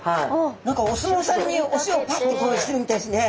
何かおすもうさんにお塩をパッてしてるみたいですね。